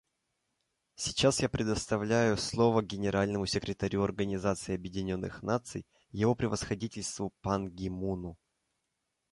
Сейчас я предоставляю слово Генеральному секретарю Организации Объединенных Наций Его Превосходительству Пан Ги Муну.